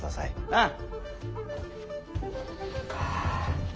ああ。